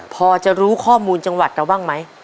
พอจะรู้ข้อมูลจังหวัดเราบ้างไหม